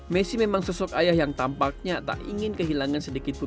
messi memang sosok ayah yang tampaknya tak ingin kehilangan sedikitpun